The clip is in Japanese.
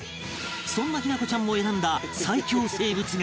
そんな日菜子ちゃんも選んだ最恐生物が